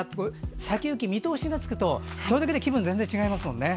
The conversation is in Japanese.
先行き、見通しがつくとそれだけで気分が全然違いますね。